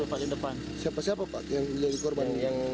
siapa siapa yang jadi korban